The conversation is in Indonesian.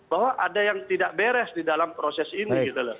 bahwa ada yang tidak beres di dalam proses ini